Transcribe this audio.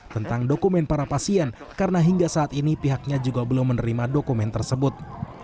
tentang dokumen para pasien karena hingga saat ini pihaknya juga belum menerima dokumen tersebut